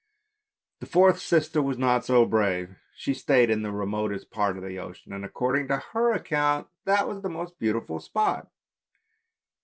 The fourth sister was not so brave, she stayed in the remotest part of the ocean, and, according to her account, that was the most beautiful spot.